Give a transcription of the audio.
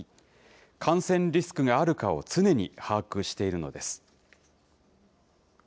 感染リスクがあるかを常に把握しているのです。